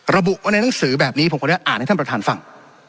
ระบุว่าในหนังสือแบบนี้ผมขออนุญาตอ่านให้ท่านประธานฟัง